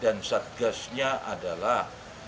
yang seperti hewan pun yg di web